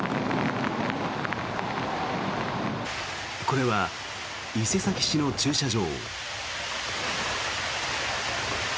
これは伊勢崎市の駐車場。